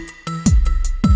gak ada yang nungguin